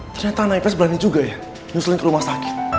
ternyata naik pes berani juga ya nyusulin ke rumah sakit